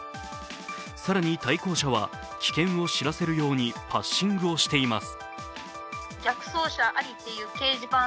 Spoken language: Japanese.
更に対向車は危険を知らせるようにパッシングをしています。